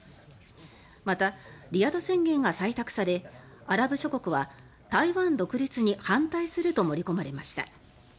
また、リヤド宣言が採択されアラブ諸国は台湾独立に反対すると盛り込まれました。